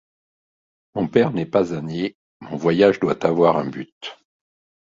Mon père n’est pas un niais, mon voyage doit avoir un but.